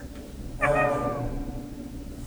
Hergem!